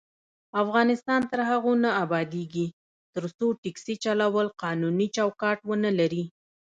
افغانستان تر هغو نه ابادیږي، ترڅو ټکسي چلول قانوني چوکاټ ونه لري.